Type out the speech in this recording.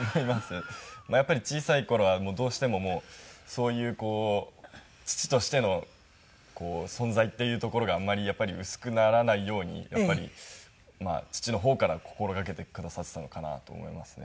やっぱり小さい頃はどうしてもそういう父としての存在っていうところがあんまり薄くならないようにやっぱり父の方から心がけてくださっていたのかなと思いますね